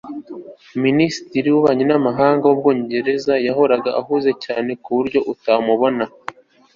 minisitiri w'ububanyi n'amahanga w'ubwongereza yahoraga ahuze cyane ku buryo atamubona